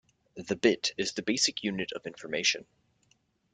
The bit is the basic unit of information.